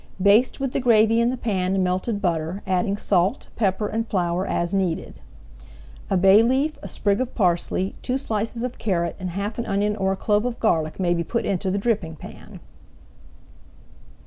Baste with the gravy in the pan and melted butter, adding salt, pepper, and flour as needed. A bay leaf, a sprig of parsley, two slices of carrot, and half an onion or a clove of garlic may be put into the dripping pan.